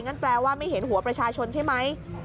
แปลว่าไม่เห็นหัวประชาชนใช่ไหม